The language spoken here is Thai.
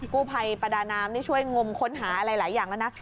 กู้ไพรประดานามช่วยงมค้นหาหลายอย่างแล้วนะ